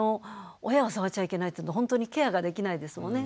親は触っちゃいけないっていうとほんとにケアができないですもんね。